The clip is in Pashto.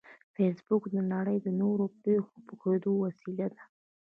فېسبوک د نړۍ د نوو پېښو د پوهېدو وسیله ده